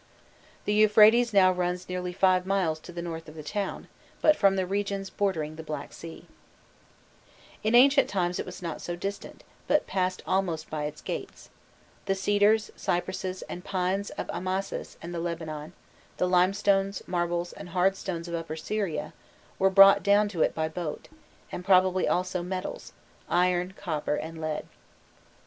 The Euphrates now runs nearly five miles to the north of the town, but from the regions bordering the Black Sea. [Illustration: 114.jpg Plan of the Ruins of Abu Shahreyn] In ancient times it was not so distant, but passed almost by its gates. The cedars, cypresses, and pines of Amamis and the Lebanon, the limestones, marbles, and hard stones of Upper Syria, were brought down to it by boat; and probably also metals iron, copper and lead.